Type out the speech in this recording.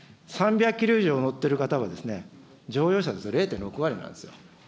３００キロ以上乗ってる方は乗用車ですと０．６割なんですよ。